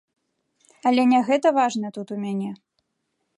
Але не гэта важна тут у мяне.